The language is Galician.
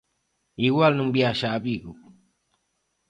Igual non viaxa a Vigo.